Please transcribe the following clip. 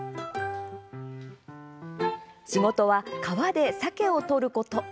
仕事は川で、さけを取ること。